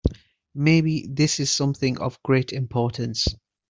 Maybe this is something of great importance.